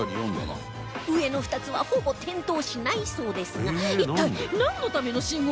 上の２つはほぼ点灯しないそうですが一体なんのための信号機なんでしょう？